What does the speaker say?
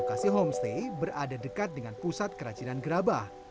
lokasi homestay berada dekat dengan pusat kerajinan gerabah